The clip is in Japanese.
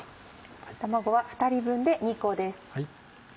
卵は２人分で２個です。